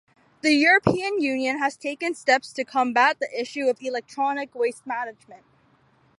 The European Union has taken steps to combat the issue of electronic waste management.